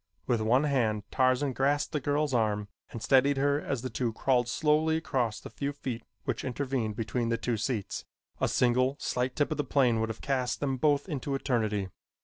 With one hand Tarzan grasped the girl's arm and steadied her as the two crawled slowly across the few feet which intervened between the two seats. A single slight tip of the plane would have cast them both into eternity.